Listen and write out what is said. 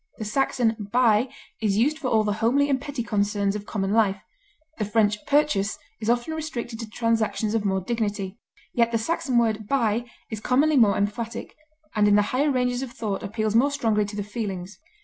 The Saxon buy is used for all the homely and petty concerns of common life, the French purchase is often restricted to transactions of more dignity; yet the Saxon word buy is commonly more emphatic, and in the higher ranges of thought appeals more strongly to the feelings.